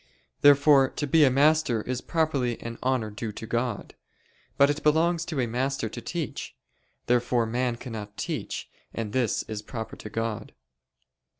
Therefore to be a master is properly an honor due to God. But it belongs to a master to teach. Therefore man cannot teach, and this is proper to God.